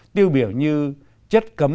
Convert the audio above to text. tiêu biểu như chất cấm